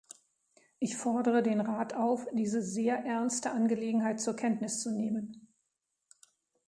Ich fordere den Rat auf, diese sehr ernste Angelegenheit zur Kenntnis zu nehmen.